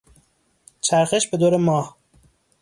چرخش به دور ماه